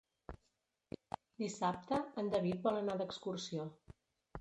Dissabte en David vol anar d'excursió.